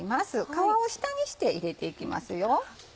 皮を下にして入れていきますよ。